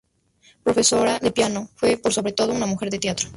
Profesora de piano, fue, por sobre todo una mujer de teatro.